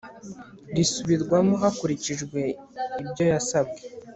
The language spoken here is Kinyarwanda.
risubirwamo hakurikije ibyo yasabwe